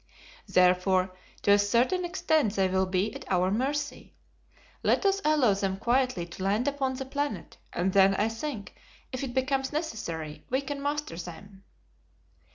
"Therefore, to a certain extent they will be at our mercy. Let us allow them quietly to land upon the planet, and then I think, if it becomes necessary, we can master them."